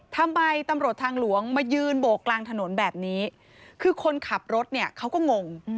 ทำไมตำรวจทางหลวงมายืนโบกกลางถนนแบบนี้คือคนขับรถเนี่ยเขาก็งง